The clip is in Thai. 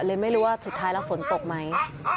เลยไม่รู้ว่าสุดท้ายแล้วฝนตกไหม